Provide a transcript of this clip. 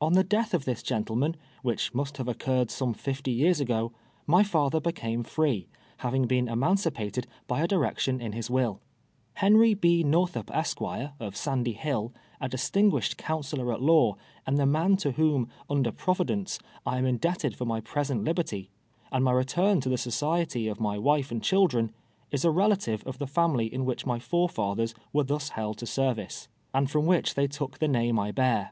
On the death of this gentleman, wdiicli must have occur red some fifty years ago, my father became free, hav ing been emancipated by a direction in his will. lleiiry 1>. Xnrtlmp, Es(|., of Sandy Hill, a distin guished connseliir at law, and the man to whom, un der Providence, I am indebted for my present liberty, and my return to the society of my wife and children, is a relative of the family in which my forefathers were thus held to service, and from which they took the name I l)ear.